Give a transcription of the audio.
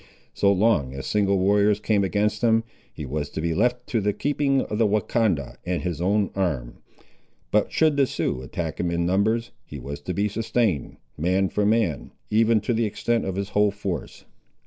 So long as single warriors came against him, he was to be left to the keeping of the Wahcondah and his own arm; but should the Siouxes attack him in numbers, he was to be sustained, man for man, even to the extent of his whole force.